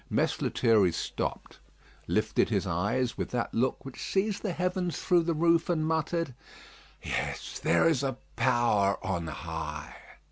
Mess Lethierry stopped, lifted his eyes with that look which sees the heavens through the roof, and muttered, "Yes, there is a power on high!"